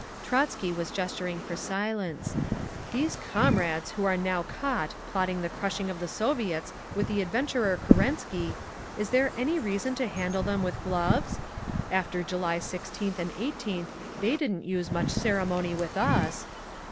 Trotzky was gesturing for silence. "These 'comrades' who are now caught plotting the crushing of the Soviets with the adventurer Kerensky—is there any reason to handle them with gloves? After July 16th and 18th they didn't use much ceremony with us!"